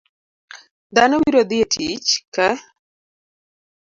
Dhano biro dhi e tich ke